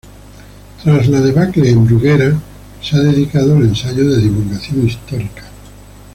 Tras la debacle de Bruguera, se ha dedicado al ensayo de divulgación histórica.